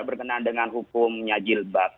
berkenaan dengan hukumnya jilbab